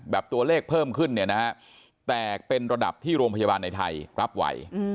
ตัวเลขเพิ่มขึ้นเนี่ยนะฮะแตกเป็นระดับที่โรงพยาบาลในไทยรับไหว